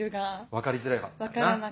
分かりづらかったかな。